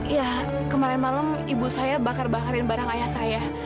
ya kemarin malam ibu saya bakar bakarin barang ayah saya